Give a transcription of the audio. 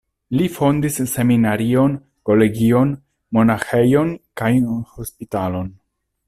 Li fondis seminarion, kolegion, monaĥejojn kaj hospitalon.